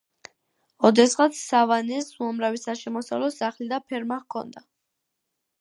ოდესღაც სავანეს უამრავი საშემოსავლო სახლი და ფერმა ჰქონდა.